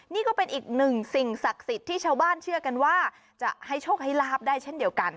นี่ก็เป็นอีกหนึ่งสิ่งศักดิ์สิทธิ์ที่ชาวบ้านเชื่อกันว่าจะให้โชคให้ลาบได้เช่นเดียวกัน